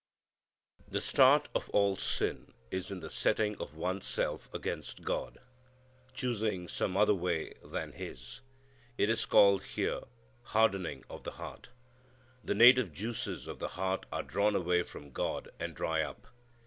The start of all sin is in the setting of one's self against God. Choosing some other way than His. It is called here "hardening of the heart." The native juices of the heart are drawn away from God and dry up.